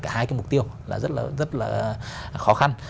cả hai cái mục tiêu là rất là khó khăn